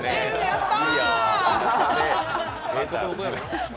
やった！